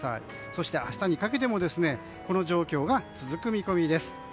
そして明日にかけてもこの状況が続く見込みです。